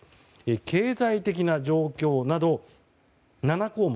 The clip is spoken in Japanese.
経済的な状況など７項目。